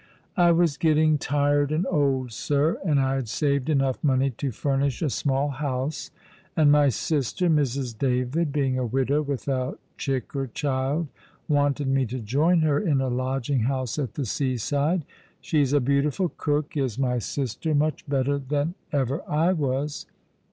" I was getting tired and old, sir ; and I had saved enough money to furnish a small house ; and my sister, Mrs. David, being a widow without chick or child, wanted me to join her in a lodging house at the seaside. She's a beautiful cook, is my sister, much better than ever I was.